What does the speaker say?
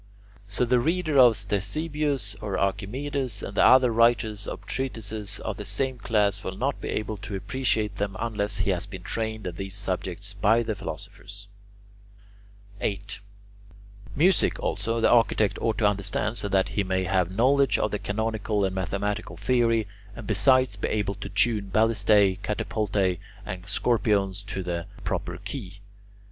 So the reader of Ctesibius or Archimedes and the other writers of treatises of the same class will not be able to appreciate them unless he has been trained in these subjects by the philosophers. 8. Music, also, the architect ought to understand so that he may have knowledge of the canonical and mathematical theory, and besides be able to tune ballistae, catapultae, and scorpiones to the proper key.